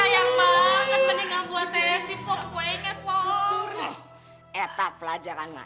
yhat pelajaran sahnya